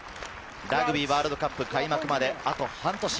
ラグビーワールドカップ開幕まであと半年。